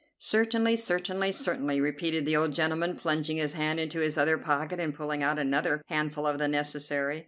"Certainly, certainly, certainly," repeated the old gentleman, plunging his hand into his other pocket and pulling out another handful of the "necessary."